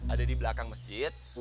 ada di belakang mesjid